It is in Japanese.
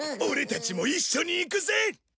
オレたちも一緒に行くぜ！